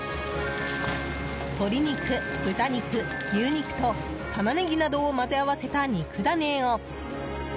鶏肉、豚肉、牛肉とタマネギなどを混ぜ合わせた肉ダネを。